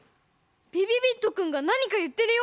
びびびっとくんがなにかいってるよ？